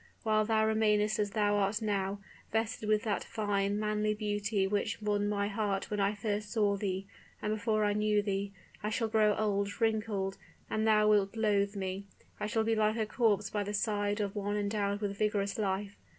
While thou remainest as thou art now, vested with that fine, manly beauty which won my heart when first I saw thee, and before I knew thee: I shall grow old, wrinkled, and thou wilt loathe me. I shall be like a corpse by the side of one endowed with vigorous life.